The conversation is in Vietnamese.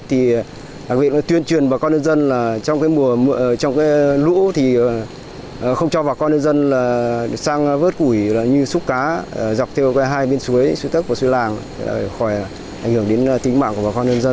huyện phú yên tuyên truyền bà con nhân dân trong lũ không cho bà con nhân dân sang vớt củi như xúc cá dọc theo hai biên suối suối tắc và suối làng khỏi ảnh hưởng đến tính mạng của bà con nhân dân